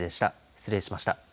失礼しました。